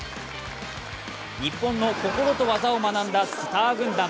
日本の心と技を学んだスター軍団。